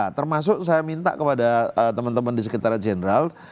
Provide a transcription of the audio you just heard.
nah termasuk saya minta kepada teman teman di sekitaran general